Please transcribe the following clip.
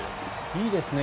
いいですね。